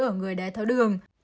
ở người đái tháo đường